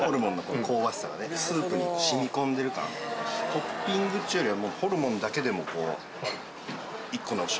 トッピングっちゅうよりは。